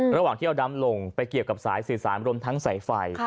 ระหว่างที่เอาดำลงไปเกียบกับสายสี่สายมันลงทั้งใส่ไฟ